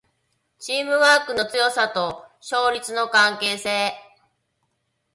チームワークの強さと勝率の関係性